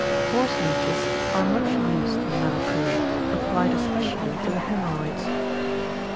Horseleeches are much used in melancholy, applied especially to the haemorrhoids.